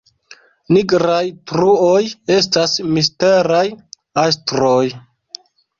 Nigraj truoj estas misteraj astroj